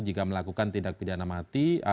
jika melakukan tindak pidana mati